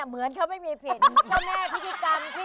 เหมือนแค่ไม่มีผิด